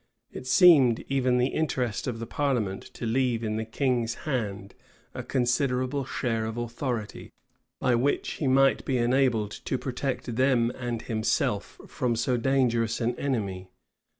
It seemed even the interest of the parliament to leave in the king's hand a considerable share of authority, by which he might be enabled to protect them and himself from so dangerous an enemy.